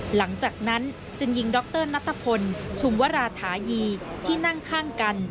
หลังจากนั้นจึงยิงดรนัตรพลชุมวราธายีที่นั่งข้างกัน